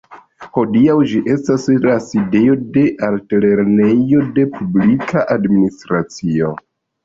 Hodiaŭ ĝi estas la sidejo de Altlernejo de Publika Administracio.